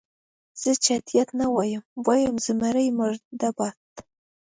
زه چټیات نه وایم، وایم زمري مرده باد.